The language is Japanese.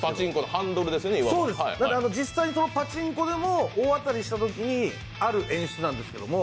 実際にそのパチンコでも大当たりしたときにある演出なんですけども。